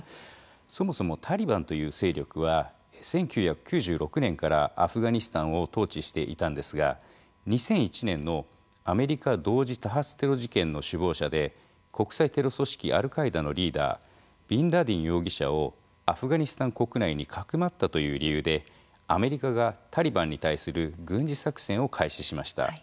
そもそもタリバンという勢力は１９９６年からアフガニスタンを統治していたんですが２００１年のアメリカ同時多発テロ事件の首謀者で国際テロ組織アルカイダのリーダービンラディン容疑者をアフガニスタン国内にかくまったという理由でアメリカがタリバンに対する軍事作戦を開始しました。